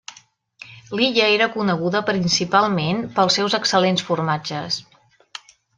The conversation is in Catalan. L'illa era coneguda principalment pels seus excel·lents formatges.